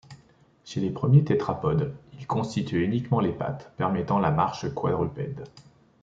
Chez les premiers Tétrapodes, ils constituaient uniquement les pattes, permettant la marche quadrupède.